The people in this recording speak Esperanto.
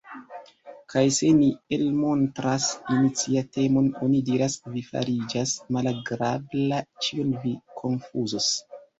Kaj se ni elmontras iniciatemon oni diras: Vi fariĝas malagrabla, ĉion vi konfuzos.